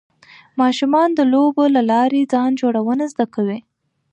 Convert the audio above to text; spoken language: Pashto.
ماشومان د لوبو له لارې ځان جوړونه زده کوي.